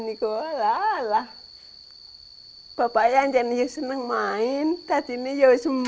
sekarang kepala kebanyakan kan membawa keluarga jadi sekarang dlaku